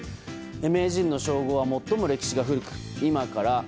名人の称号は最も歴史が古く今から